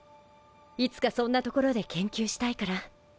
いつかそんな所で研究したいから。